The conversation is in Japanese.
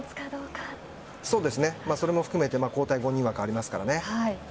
それも含めて交代５人は枠ありますからね。